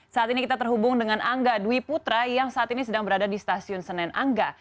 saat ini kita terhubung dengan angga dwi putra yang saat ini sedang berada di stasiun senen angga